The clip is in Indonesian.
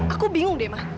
aku bingung deh ma